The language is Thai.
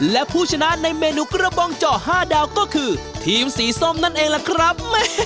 และผู้ชนะในเมนูกระบองเจาะ๕ดาวก็คือทีมสีส้มนั่นเองล่ะครับ